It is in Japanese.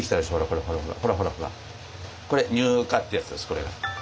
これ乳化ってやつです。